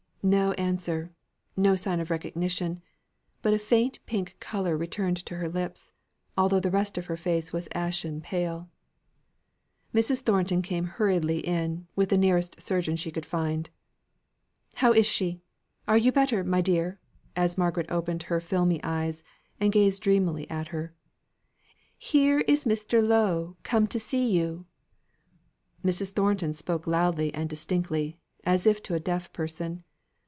No answer; no sign of recognition; but a faint pink colour returned to her lips, although the rest of her face was ashen pale. Mrs. Thornton came hurriedly in, with the nearest surgeon she could find. "How is she? Are you better, my dear?" as Margaret opened her filmy eyes, and gazed dreamily at her. "Here is Mr. Lowe come to see you." Mrs. Thornton spoke loudly and distinctly, as to a deaf person.